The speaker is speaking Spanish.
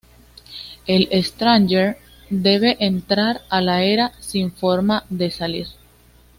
El Stranger debe entrar a la Era sin forma de salir.